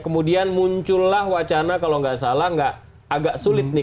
kemudian muncullah wacana kalau nggak salah agak sulit nih